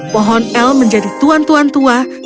pohon el menjadi tuan tuan tua